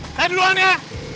tahan duluan ya